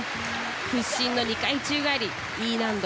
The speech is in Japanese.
屈身の２回宙返り、Ｅ難度。